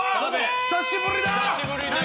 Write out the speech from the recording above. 久しぶりだ！